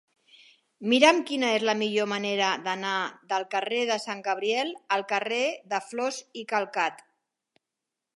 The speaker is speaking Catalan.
Mira'm quina és la millor manera d'anar del carrer de Sant Gabriel al carrer de Flos i Calcat.